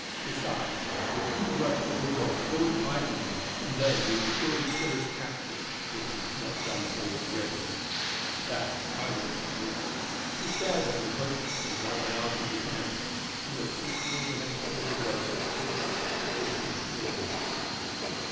Besides, if you rushed at Migul it would frighten him; and then he would surely kill his captives, if he has not done so already." That silenced Larry. He stared at them hopelessly while they argued it out: and the three small domesticated Robots stood by, listening curiously.